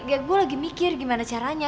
kayak gue lagi mikir gimana caranya